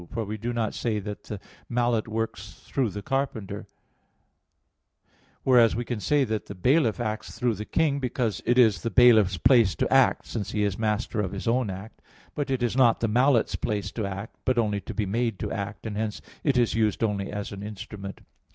For we do not say that the mallet works through the carpenter; whereas we can say that the bailiff acts through the king, because it is the bailiff's place to act, since he is master of his own act, but it is not the mallet's place to act, but only to be made to act, and hence it is used only as an instrument.